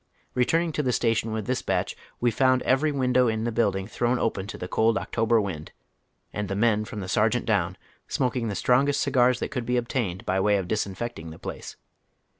Eeturning to the station with this batdi, we found evejy window in the building thrown open to the cold October wind, and the men from the sergeant down smoking tlie strongest cigars that could be obtained by way of disen fecting the place.